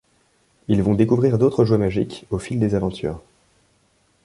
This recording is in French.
Ils vont découvrir d'autres jouets magiques au fil des aventures.